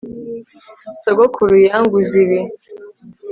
Sogokuru yanguze ibi